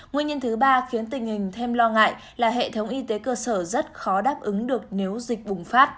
nguyên nhân thứ ba khiến tình hình thêm lo ngại là hệ thống y tế cơ sở rất khó đáp ứng được nếu dịch bùng phát